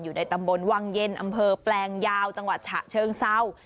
อยู่ในตำบลวังเย็นอำเภอแปลงยาวจังหวัดฉะเชิงเศร้า